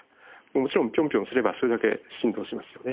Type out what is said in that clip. もちろんピョンピョンすればそれだけ振動しますよね。